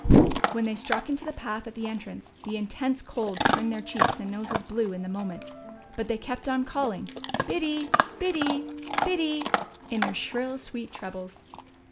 When they struck into the path at the entrance the intense cold turned their cheeks and noses blue in a moment, but they kept on, calling Biddy, Biddy, Biddy," in their shrill sweet trebles.